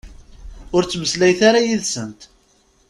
Ur ttmeslayet ara yid-sent.